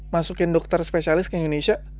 masukin dokter spesialis ke indonesia